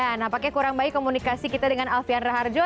nah nampaknya kurang baik komunikasi kita dengan alfian raharjo